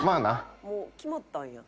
「もう決まったんや」